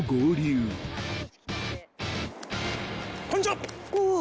こんにちは。